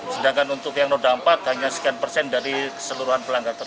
sedangkan untuk yang roda empat hanya sekian persen dari keseluruhan pelanggaran